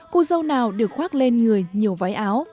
cô dâu nào được khoác lên người nhiều váy áo